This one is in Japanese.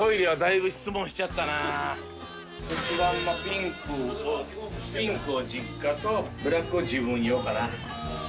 骨盤のピンクピンクを実家とブラックを自分用かな。